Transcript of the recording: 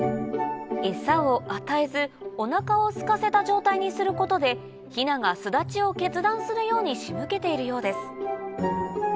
餌を与えずお腹をすかせた状態にすることでヒナが巣立ちを決断するように仕向けているようです